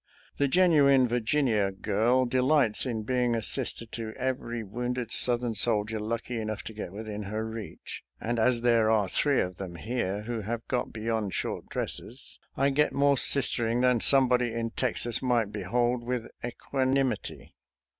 The genuine Virginia girl de lights in being a sister to every wounded South ern soldier lucky enough to get within her reach, and as there are three of them here who have got beyond short dresses, I get more sistering than somebody in Texas might behold with equanimity.